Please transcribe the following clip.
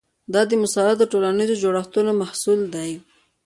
دا د مسلطو ټولنیزو جوړښتونو محصول دی.